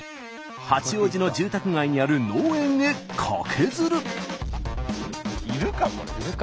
八王子の住宅街にある農園へカケズる。